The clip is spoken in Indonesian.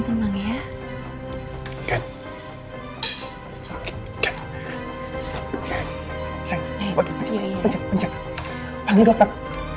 terima kasih banyak nek